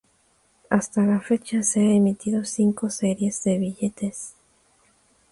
Hasta la fecha se han emitido cinco series de billetes.